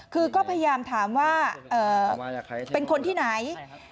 คือก็พยายามถามว่าเป็นคนที่ไหน